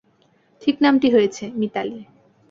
ঠিক নামটি হয়েছে–মিতালি।